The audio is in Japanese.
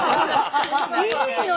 いいのよ！